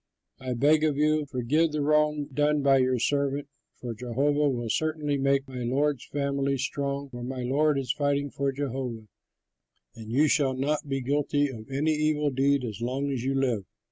I beg of you, forgive the wrong done by your servant, for Jehovah will certainly make my lord's family strong, for my lord is fighting for Jehovah, and you shall not be guilty of any evil deed as long as you live.